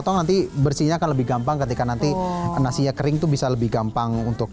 atau nanti bersihnya akan lebih gampang ketika nanti nasinya kering itu bisa lebih gampang untuk